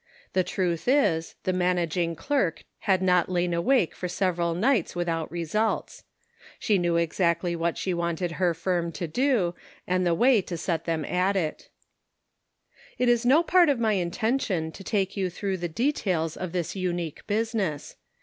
The truth is, the " managing clerk " had not lain awake for several nights without results. She knew exactly what she wanted her firm to do, and the way to set them at it. An Open Door. 287 It is no part of my intention to take you through the details of this unique business.